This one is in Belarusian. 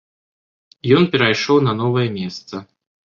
Ён перайшоў на новае месца.